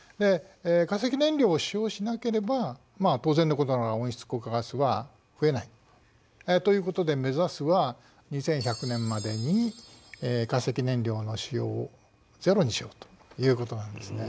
化石燃料を使用しなければ当然のことながら温室効果ガスは増えない。ということで目指すは２１００年までに化石燃料の使用を０にしようということなんですね。